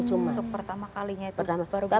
untuk pertama kalinya itu baru bisa keluar